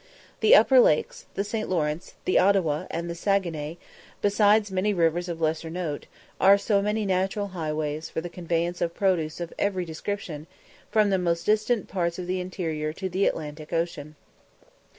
The Upper Lakes, the St. Lawrence, the Ottawa, and the Saguenay, besides many rivers of lesser note, are so many natural highways for the conveyance of produce of every description from the most distant parts of the interior to the Atlantic Ocean.